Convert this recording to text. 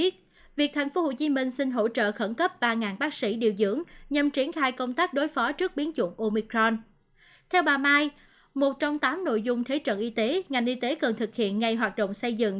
theo bà mai một trong tám nội dung thế trận y tế ngành y tế cần thực hiện ngay hoạt động xây dựng